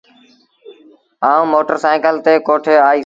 آئوٚݩ موٽر سآئيٚڪل تي ڪوٺي آئيٚس۔